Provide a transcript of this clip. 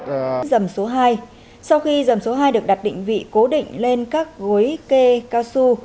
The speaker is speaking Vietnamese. cúm dầm số hai sau khi dầm số hai được đặt định vị cố định lên các gối kê cao su